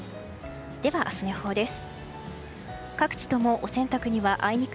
では、明日の予報です。